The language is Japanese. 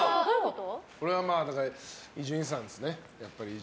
これは伊集院さんですね。